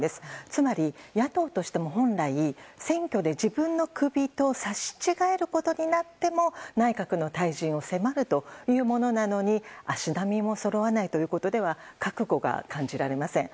つまり、野党としても本来選挙で自分のクビと刺し違えることになっても内閣の退陣を迫るというものなのに足並みもそろわないということでは覚悟が感じられません。